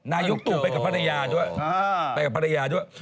นายกตู่ไปกับพระราญาด้วย